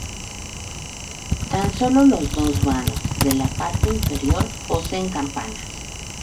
Tan solo los dos vanos de la parte inferior poseen campanas.